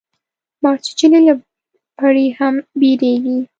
مار چیچلی له پړي هم بېريږي.